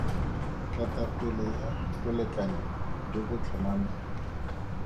Ketapele ya bolekanyo jo bo tlhomameng.